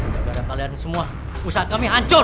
tegak ada kalian semua usaha kami hancur